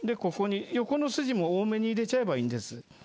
ここに横の筋も多めに入れちゃえばいいんです